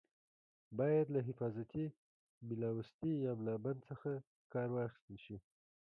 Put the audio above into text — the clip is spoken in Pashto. باید له حفاظتي ملاوستي یا ملابند څخه کار واخیستل شي.